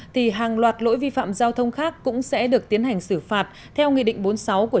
thì hàng loạt lỗi vi phạm giao thông khác cũng sẽ được tiến hành xử phạt theo nghị định bốn mươi sáu của